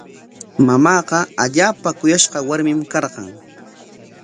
Mamaaqa allaapa kuyashqa warmin karqan.